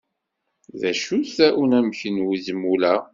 D acu-t unamek n wezmul-a?